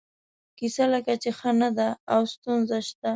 کیسه لکه چې ښه نه ده او ستونزه شته.